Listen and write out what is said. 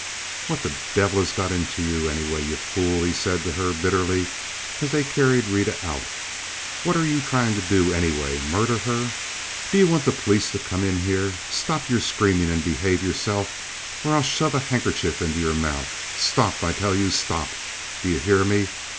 "What the devil has got into you, anyway, you fool?" he said to her, bitterly, as they carried Rita out. "What are you trying to do, anyway—murder her? Do you want the police to come in here? Stop your screaming and behave yourself, or I'll shove a handkerchief in your mouth! Stop, I tell you! Stop! Do you hear me?